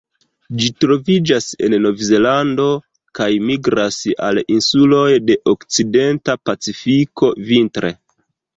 Ĝi troviĝas en Novzelando, kaj migras al insuloj de okcidenta Pacifiko vintre.